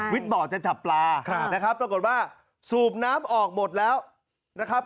บ่อจะจับปลานะครับปรากฏว่าสูบน้ำออกหมดแล้วนะครับ